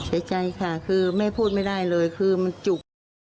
เสียใจค่ะคือแม่พูดไม่ได้เลยคือมันจุก